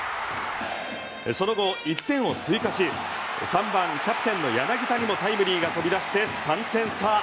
その後１点を追加し３番、キャプテンの柳田にもタイムリーが飛び出して３点差。